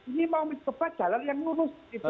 nah ini mau menyebabkan jalan yang lurus